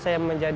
saya memper half